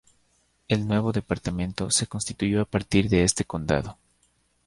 El nuevo departamento se constituyó a partir de este condado.